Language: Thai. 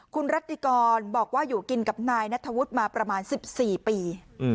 คุณรัติกรบอกว่าอยู่กินกับนายนัทธวุฒิมาประมาณ๑๔ปี